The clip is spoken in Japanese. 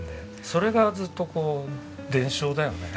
それがずっとこう伝承だよね。